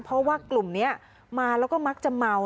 เพราะว่ากลุ่มนี้มาแล้วก็มักจะเมา